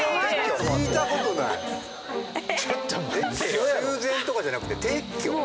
修繕とかじゃなくて撤去？